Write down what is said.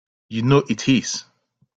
You know it is!